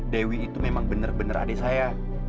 dewi itu memang bener bener adik saya